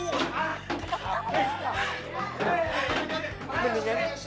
nyalahin ketujuhnya si rindang